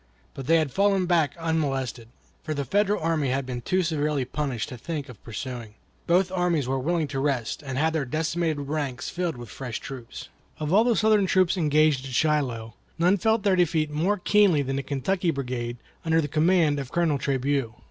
But they had fallen back unmolested, for the Federal army had been too severely punished to think of pursuing. Both armies were willing to rest and have their decimated ranks filled with fresh troops. Of all the Southern troops engaged at Shiloh none felt their defeat more keenly than the Kentucky brigade under the command of Colonel Trabue.